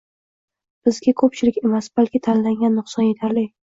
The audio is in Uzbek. Bizga ko'pchilik emas, balki tanlangan nuqson etarli